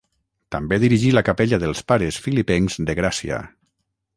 També dirigí la capella dels Pares Filipencs de Gràcia.